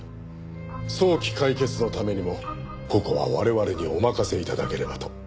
早期解決のためにもここは我々にお任せ頂ければと。